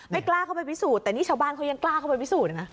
กล้าเข้าไปพิสูจน์แต่นี่ชาวบ้านเขายังกล้าเข้าไปพิสูจนนะ